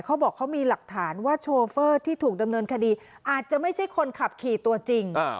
เขาบอกเขามีหลักฐานว่าโชเฟอร์ที่ถูกดำเนินคดีอาจจะไม่ใช่คนขับขี่ตัวจริง